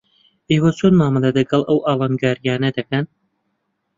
ئێوە چۆن مامەڵە لەگەڵ ئەو ئاڵنگارییانە دەکەن؟